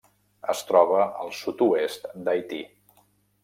Es troba al sud-oest d'Haití.